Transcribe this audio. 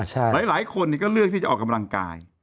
หลายคนก็เลือกที่จะออกกำลังกาย